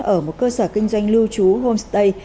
ở một cơ sở kinh doanh lưu trú homestay